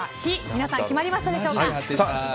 皆さん、決まりましたでしょうか。